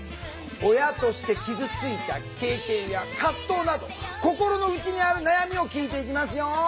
親として傷ついた経験や葛藤など心の内にある悩みを聞いていきますよ。